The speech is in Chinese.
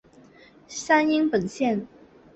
山阴本线。